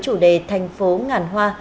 chủ đề thành phố ngàn hoa